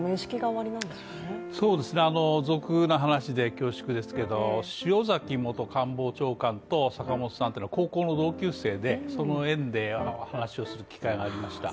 俗な話で恐縮ですけど、塩崎元官房長官と坂本さんは高校の同級生でその縁で話をする機会がありました。